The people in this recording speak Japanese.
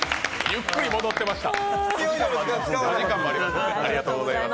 ゆっくり戻ってました。